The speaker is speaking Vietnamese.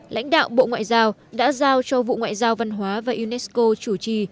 lãnh đạo bộ ngoại giao đã giao cho vụ ngoại giao văn hóa và unesco chủ trì